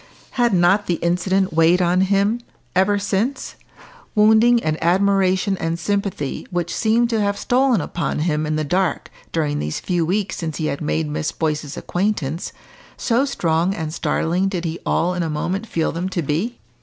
Had not the incident weighed on him ever since, wounding an admiration and sympathy which seemed to have stolen upon him in the dark, during these few weeks since he had made Miss Boyce's acquaintance, so strong and startling did he all in a moment feel them to be?